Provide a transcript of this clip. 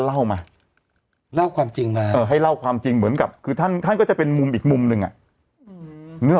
อาจจะรู้สึกว่าเอ๊ะมันใช่หรอ